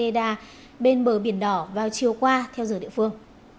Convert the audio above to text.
bên bờ biển đỏ vào chiều qua theo dự địa phương